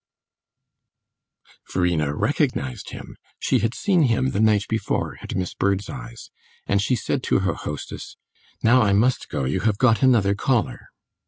XII Verena recognised him; she had seen him the night before at Miss Birdseye's, and she said to her hostess, "Now I must go you have got another caller!"